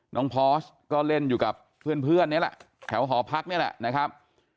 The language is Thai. พอร์สก็เล่นอยู่กับเพื่อนนี่แหละแถวหอพักนี่แหละนะครับ